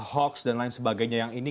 hoax dan lain sebagainya yang ini